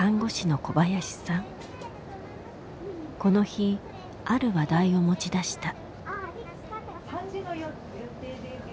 この日ある話題を持ち出した。